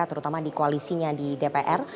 terutama di koalisinya di dpr